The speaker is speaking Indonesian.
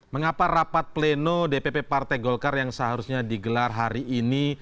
mengapa rapat pleno dpp partai golkar yang seharusnya digelar hari ini